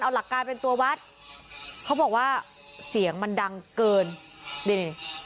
เอาหลักการเป็นตัววัดเขาบอกว่าเสียงมันดังเกินนี่นี่